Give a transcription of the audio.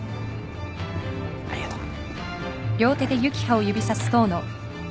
ありがとう。